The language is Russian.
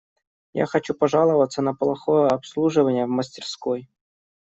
Я хочу пожаловаться на плохое обслуживание в мастерской.